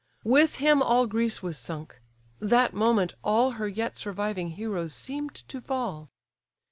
With him all Greece was sunk; that moment all Her yet surviving heroes seem'd to fall.